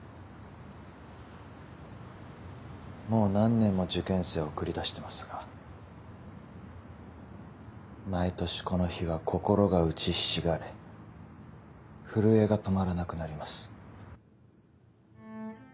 もう何年も受験生を送り出してますが毎年この日は心が打ちひしがれ震えが止まらなくなります。